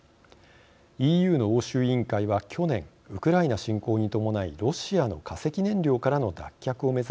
ＥＵの欧州委員会は去年ウクライナ侵攻に伴いロシアの化石燃料からの脱却を目指す計画を発表。